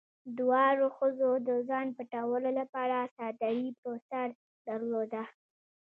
دواړو ښځو د ځان پټولو لپاره څادري په سر درلوده.